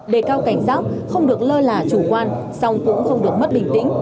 để cao cảnh giác không được lơ là chủ quan song cũng không được mất bình tĩnh